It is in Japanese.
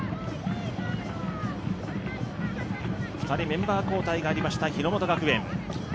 ２人、メンバー交代がありました日ノ本学園。